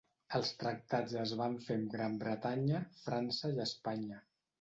Els tractats es van fer amb Gran Bretanya, França i Espanya.